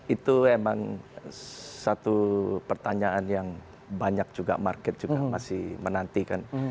itu memang satu pertanyaan yang banyak juga market juga masih menantikan